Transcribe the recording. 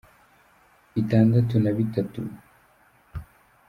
itandatu na bitatu Frw.